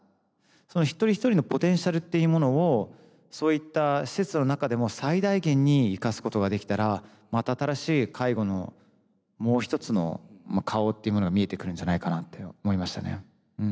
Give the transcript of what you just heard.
その一人一人のポテンシャルっていうものをそういった施設の中でも最大限に生かすことができたらまた新しい介護のもう一つの顔っていうものが見えてくるんじゃないかなって思いましたね。